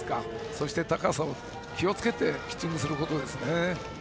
そして高さに気をつけてピッチングをすることですね。